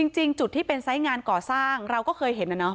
จริงจุดที่เป็นทรายงานเกาะสร้างเราก็เคยเห็นนะ